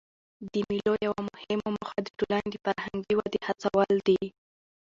د مېلو یوه مهمه موخه د ټولني د فرهنګي ودي هڅول دي.